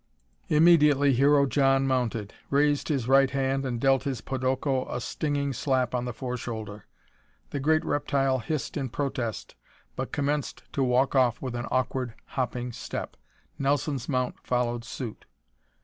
Immediately Hero John mounted, raised his right hand and dealt his podoko a stinging slap on the fore shoulder. The great reptile hissed in protest, but commenced to walk off with an awkward, hopping step. Nelson's mount followed suit.